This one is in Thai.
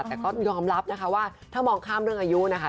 แต่ก็ยอมรับนะคะว่าถ้ามองข้ามเรื่องอายุนะคะ